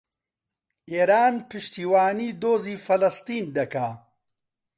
ئێران پشتیوانیی دۆزی فەڵەستین دەکات.